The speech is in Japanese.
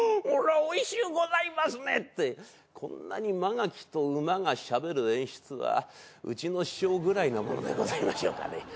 これはおいしゅうございますねってこんなに曲垣と馬がしゃべる演出はうちの師匠ぐらいなもんでございましょうかね。